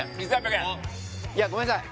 いやごめんなさい